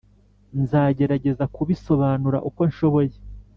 nzagerageza kubisobanura uko nshoboye.